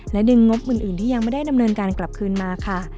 ดึงงบอื่นที่ยังไม่ได้ดำเนินการกลับคืนมาค่ะ